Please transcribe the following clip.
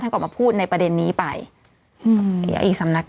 ท่างกลอมมาพูดในประเด็นนี้ไปอีกสำนักก่อน